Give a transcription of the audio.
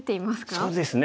そうですね。